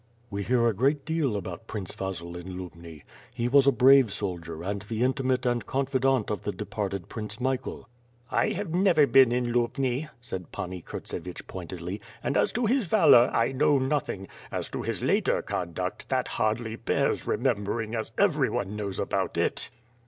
"We hear a great deal about Prince Vasil in Lubni. He was a brave soldier and the intimate and confidant of the de parted Prince Michael." "I have never been in Lubni," said Pani Kurtsevich pointedly, "and as to his valor I know nothing; as to his later conduct, that hardly bears remembering, as everyone knows about it."